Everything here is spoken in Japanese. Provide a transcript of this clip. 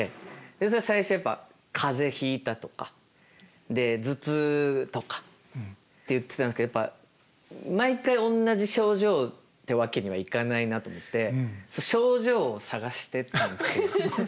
それは最初やっぱ「風邪ひいた」とか「頭痛」とかって言ってたんですけどやっぱ毎回同じ症状ってわけにはいかないなと思って症状を探してったんですよ。